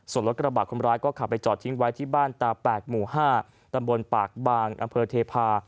ส่วนรถกระบาดคนร้ายก็ขับไปจอดทิ้งไว้ที่บ้านตาแปดหมู่๕ตำบลปากบางอำเภอเทพา